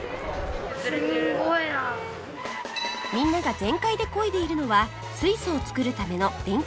みんなが全開で漕いでいるのは水素を作るための電気作り